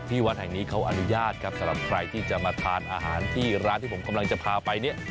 วัดแห่งนี้เขาอนุญาตครับสำหรับใครที่จะมาทานอาหารที่ร้านที่ผมกำลังจะพาไปเนี่ย